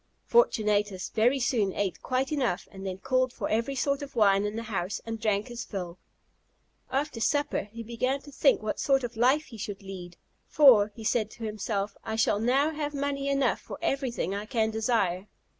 Fortunatus very soon ate quite enough, and then called for every sort of wine in the house, and drank his fill. After supper, he began to think what sort of life he should lead; "For," said he to himself, "I shall now have money enough for everything I can desire."